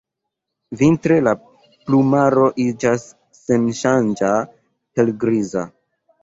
Vintre la plumaro iĝas senŝanĝa helgriza.